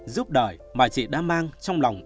giúp đời mà chị đã mang trong lòng